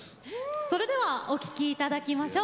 それではお聴きいただきましょう。